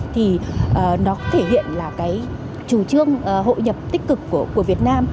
thì nó thể hiện là cái chủ trương hội nhập tích cực của việt nam